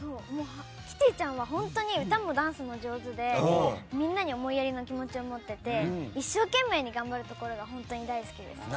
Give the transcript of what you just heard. キティちゃんは歌もダンスも上手でみんなに思いやりの気持ちを持っていて一生懸命に頑張るところが大好きです。